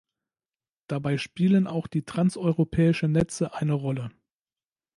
Dabei spielen auch die transeuropäischen Netze eine Rolle.